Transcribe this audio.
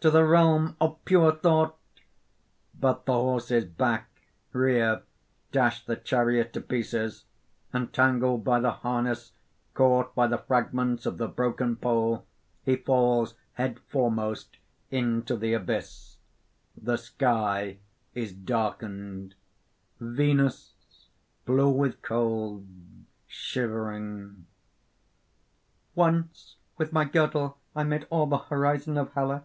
to the realm of pure thought!" (_But the horses back, rear, dash the chariot to pieces. Entangled by the harness, caught by the fragments of the broken pole, he falls head foremost into the abyss._ [Illustration: ... he falls head foremost into the abyss.] The sky is darkened.) VENUS (blue with cold, shivering): "Once with my girdle I made all the horizon of Hellas.